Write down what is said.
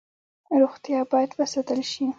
روغتیا باید وساتل شي